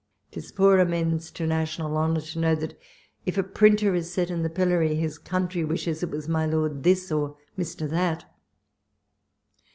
'Tis poor amends to national honour to know, that if a printer is set in the pillorv, his countrv wishes it was my Lord This, or :\*[r.'That.